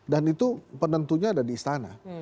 dan itu penentunya ada di istana